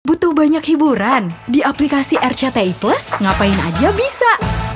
butuh banyak hiburan di aplikasi rcti plus ngapain aja bisa